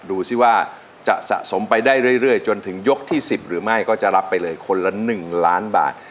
ดูสิว่าจะสะสมไปได้เรื่อยจนถึงยกที่๑๐หรือไม่ก็จะรับไปเลยคนละ๑ล้านบาท